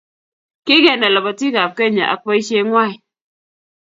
Kikenai lobotii ab Kenya ak boisie ngwang.